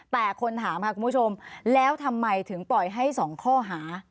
แต่คนถามค่ะคุณผู้ชมแล้วทำไมถึงปล่อยให้๒ข้อหา